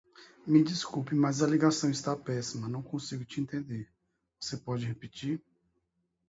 Me desculpe, mas a ligação está péssima, não consigo te entender. Você pode repetir.